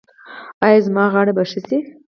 ایا زما غاړه به ښه شي؟